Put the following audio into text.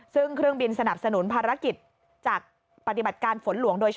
ซึ่งเครื่องบินสนับสนุนภารกิจจากปฏิบัติการฝนหลวงโดยเฉพาะ